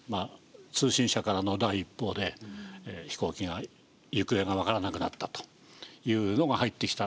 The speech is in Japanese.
通信社からの第一報で飛行機が行方が分からなくなったというのが入ってきた。